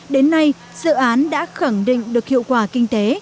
đến nay dự án đã khẳng định được hiệu quả kinh tế